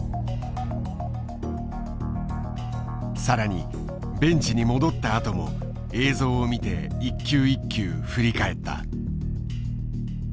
更にベンチに戻ったあとも映像を見て一球一球振り返った。